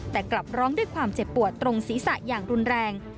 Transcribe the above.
แต่กลับร้องด้วยความเจ็บปวดตรงศีรษะอย่างรุนแรง